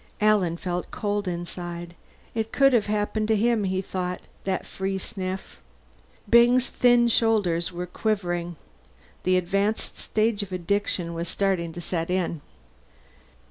Alan felt cold inside. It could have happened to him, he thought that free sniff. Byng's thin shoulders were quivering. The advanced stage of addiction was starting to set in.